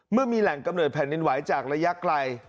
เมื่อมีแหล่งกำเนิดแผ่นดินไหวจากระยะไกล